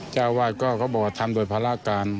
เจ้าวาดก็เขาบอกว่าทำโดยภารการ